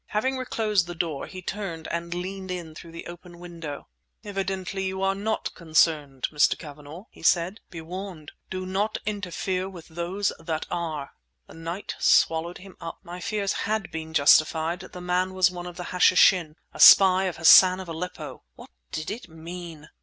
Having reclosed the door, he turned and leaned in through the open window. "Evidently you are not concerned, Mr. Cavanagh," he said. "Be warned. Do not interfere with those that are!" The night swallowed him up. My fears had been justified; the man was one of the Hashishin—a spy of Hassan of Aleppo! What did it mean?